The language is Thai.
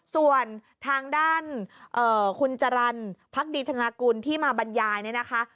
ส่วนทางด้านคุณจรรย์พักดีธนากุลที่มาบรรยายเนี่ยนะคะ